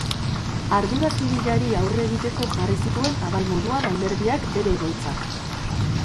Ardura zibilari aurre egiteko jarri zituen abal moduan alderdiak bere egoitzak.